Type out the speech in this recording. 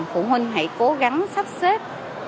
phụ huynh hãy cố gắng sắp xếp